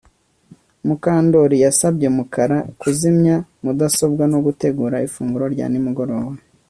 Mukandoli yasabye Mukara kuzimya mudasobwa no gutegura ifunguro rya nimugoroba